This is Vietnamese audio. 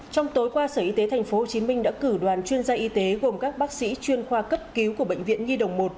trong tối qua sở y tế thành phố hồ chí minh đã cử đoàn chuyên gia y tế gồm các bác sĩ chuyên khoa cấp cứu của bệnh viện nhi đồng một